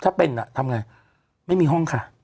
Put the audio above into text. ถ้าเป็นทำไงไม่มีห้องค่ะ